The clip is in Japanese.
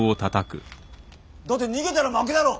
だって逃げたら負けだろ！